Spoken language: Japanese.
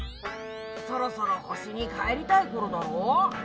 そろそろほしにかえりたいころだろ？